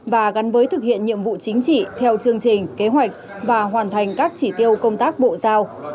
và gắn với thực hiện nhiệm vụ chính trị theo chương trình kế hoạch và hoàn thành các chỉ tiêu công tác bộ giao